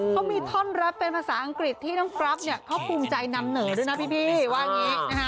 เขามีท่อนรับเป็นภาษาอังกฤษที่น้องกรัฟเขาภูมิใจนำเหนอะด้วยนะพี่